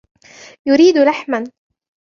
يريد لحما.